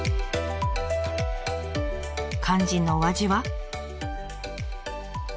肝心のお味は？